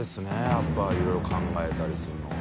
やっぱいろいろ考えたりするのが。